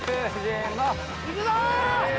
いくぞー。